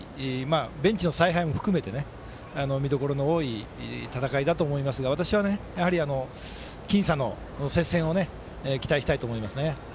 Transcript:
ベンチの采配も含めて見どころの多い戦いだと思いますが私は僅差の接戦を期待したいと思います。